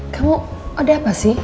kamu ada apa sih